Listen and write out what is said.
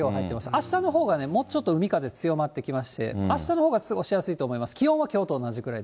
あしたのほうがもうちょっと海風強まってきまして、あしたのほうが過ごしやすいと思います。